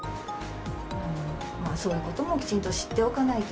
そういうこともきちんと知っておかないと。